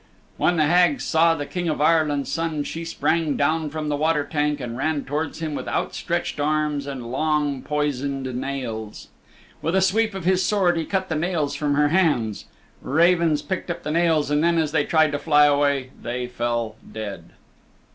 When the Hag saw the King of Ireland's Son she sprang down from the water tank and ran towards him with outstretched arms and long poisoned nails. With a sweep of his sword he cut the nails from her hands. Ravens picked up the nails, and then, as they tried to fly away, they fell dead.